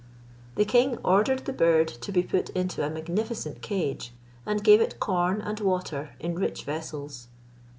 The king ordered the bird to be put into a magnificent cage, and gave it corn and water in rich vessels.